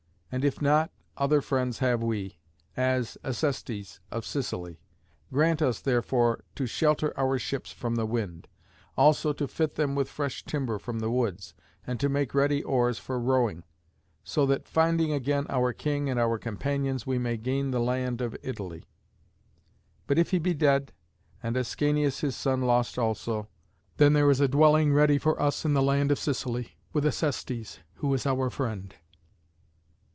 And if not, other friends have we, as Acestes of Sicily. Grant us, therefore, to shelter our ships from the wind; also to fit them with fresh timber from the woods, and to make ready oars for rowing, so that, finding again our king and our companions, we may gain the land of Italy. But if he be dead, and Ascanius his son lost also, then there is a dwelling ready for us in the land of Sicily, with Acestes, who is our friend."